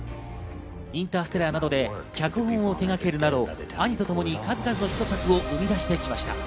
『インターステラー』などで脚本を手がけるなど、兄とともに数々のヒット作を生み出してきました。